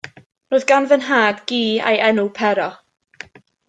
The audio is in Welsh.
Roedd gan fy nhad gi a'i enw Pero.